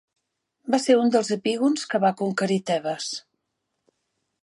Va ser un dels epígons que va conquerir Tebes.